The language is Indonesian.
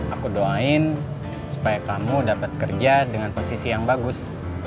aku doain supaya kamu dapat kerja dengan posisi yang bagus